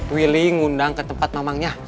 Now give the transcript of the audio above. willy ngundang ke tempat mamangnya